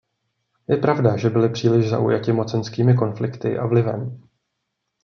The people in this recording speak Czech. Je pravda, že byli příliš zaujati mocenskými konflikty a vlivem.